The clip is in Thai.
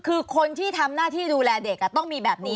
คือคนที่ทำหน้าที่ดูแลเด็กต้องมีแบบนี้